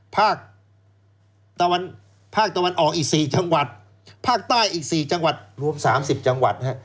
ภาคตะวันภาคตะวันออกอีก๔จังหวัดภาคใต้อีก๔จังหวัดรวม๓๐จังหวัดนะฮะ